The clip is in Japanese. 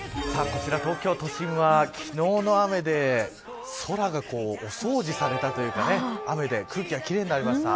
こちら東京都心は昨日の雨で空がお掃除されたというか雨で空気が奇麗になりました。